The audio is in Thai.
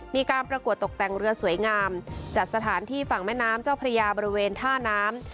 มีการประกวดตกแต่งเรือสวยงามจัดสถานที่ฝั่งแม่น้ำเจ้าพระยาบริเวณท่าน้ำ